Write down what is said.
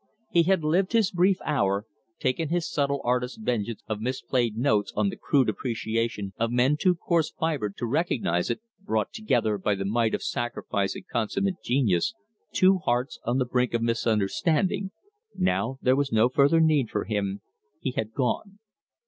He had lived his brief hour, taken his subtle artist's vengeance of misplayed notes on the crude appreciation of men too coarse fibered to recognize it, brought together by the might of sacrifice and consummate genius two hearts on the brink of misunderstanding; now there was no further need for him, he had gone.